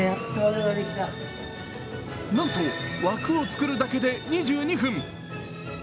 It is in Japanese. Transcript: なんと、枠を作るだけで２２分。